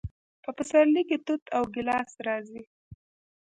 په پسرلي کې توت او ګیلاس راځي.